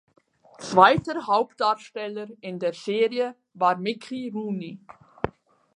Zweiter Hauptdarsteller in der Serie war Mickey Rooney.